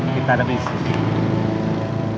kita ada bisnis